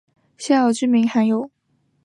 孝友之名罕有。